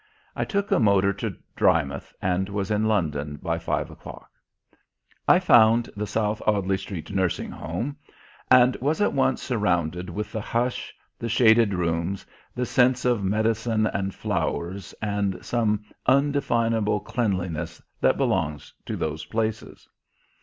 I took a motor to Drymouth and was in London by five o'clock. I found the South Audley Street nursing home and was at once surrounded with the hush, the shaded rooms, the scents of medicine and flowers, and some undefinable cleanliness that belongs to those places.